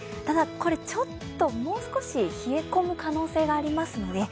ただ、これもう少し冷え込む可能性があります。